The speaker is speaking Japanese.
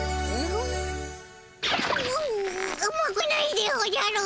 んあまくないでおじゃる！